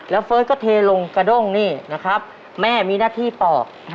แล้วเฟิร์สก็เทลงกระด้งนี่นะครับแม่มีหน้าที่ปอก